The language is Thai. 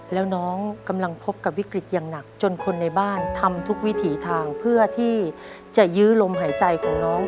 แล้วน้องกำลังพบกับวิกฤตอย่างหนักจนคนในบ้านทำทุกวิถีทางเพื่อที่จะยื้อลมหายใจของน้อง